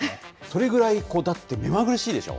それぐらいだって、目まぐるしいでしょ？